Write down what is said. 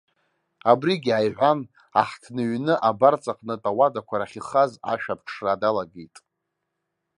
Абригь ааиҳәан, аҳҭны-ҩны абарҵа аҟнытә ауадақәа рахь ихаз ашә аԥҽра далагеит.